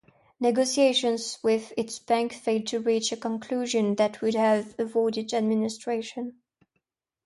Negotiations with its bank failed to reach a conclusion that would have avoided administration.